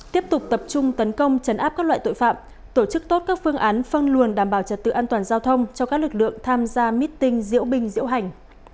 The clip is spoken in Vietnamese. tiếp tục tập trung tấn công chấn áp các loại tội phạm tổ chức tốt các phương án phân luồng đảm bảo trật tự an toàn giao thông cho các lực lượng tham gia meeting diễu binh diễu hành